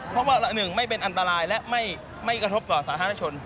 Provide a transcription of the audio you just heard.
เพราะว่าหนึ่งไม่เป็นอันตรายและไม่กระทบต่อสาธารณชน